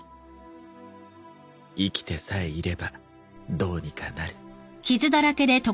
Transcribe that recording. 生きてさえいればどうにかなる。